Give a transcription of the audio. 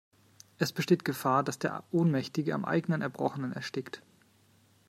Es besteht Gefahr, dass der Ohnmächtige am eigenen Erbrochenen erstickt.